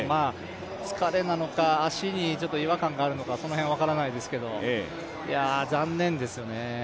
疲れなのか、足に違和感があるのかその辺分からないですけど残念ですよね。